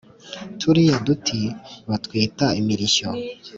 turiya duti batwita imirishyo.